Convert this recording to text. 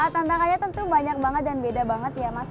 tantangannya tentu banyak banget dan beda banget ya mas